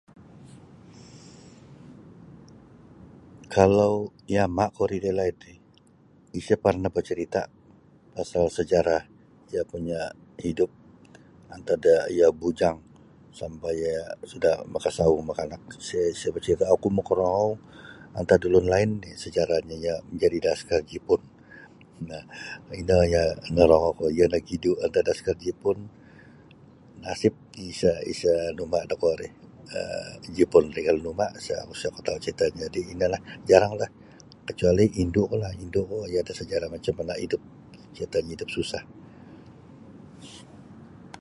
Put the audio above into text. Kalau yama'ku ri dalaid ri isa parnah bacarita' pasal sejarah iyo punya' hidup antad da iyo bujang sampai iyo sudah makasawu makaanak isa' isa iyo bacarita'. Oku makarongou antad da ulun lain sejarahnyo iyo najadi da askar Jipun nah ino yo norongouku iyo nagidu antad da askar Jipun nasib isa isa nauma' da kuo ri Jipun ri kalau nauma' isa oku tau caritanyo jadi inolah jaranglah kecuali' indu'kulah indu'ku iyo ada sejarah macam mana' hidup berkaitan hidup susah.